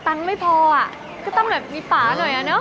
ตั้งไม่พอก็ต้องแบบมีป๋าหน่อยนะเนอะ